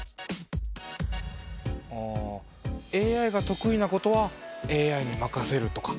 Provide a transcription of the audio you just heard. ああＡＩが得意なことはＡＩに任せるとか？